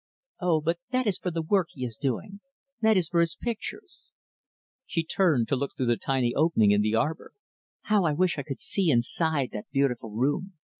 "Oh, but that is for the work he is doing; that is for his pictures." She turned to look through the tiny opening in the arbor. "How I wish I could see inside that beautiful room.